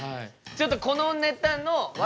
ちょっとこのネタの笑